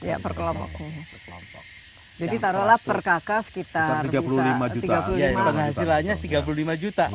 jadi taruhlah per kaka sekitar tiga puluh lima juta